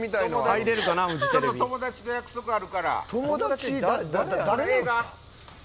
友達と約束あるから。